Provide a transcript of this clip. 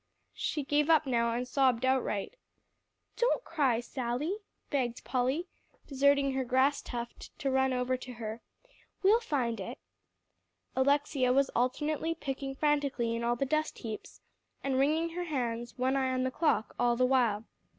She gave up now, and sobbed outright. "Don't cry, Sally," begged Polly, deserting her grass tuft, to run over to her. "We'll find it." Alexia was alternately picking frantically in all the dust heaps, and wringing her hands, one eye on the clock all the while.